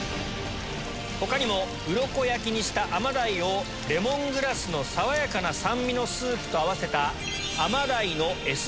他にもうろこ焼きにした甘鯛をレモングラスの爽やかな酸味のスープと合わせた。